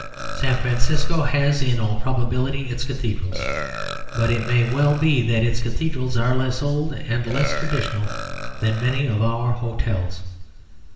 San Francisco has in all probability its cathedrals, but it may well be that its cathedrals are less old and less traditional than many of our hotels.